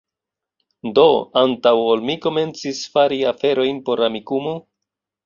Do, antaŭ ol mi komencis fari aferojn por Amikumu